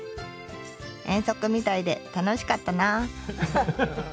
遠足みたいで楽しかったなあ。